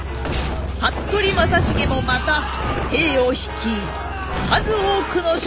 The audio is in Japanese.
服部正成もまた兵を率い数多くの首級をあげ。